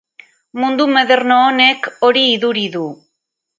Mundu moderno honek hori iduri du.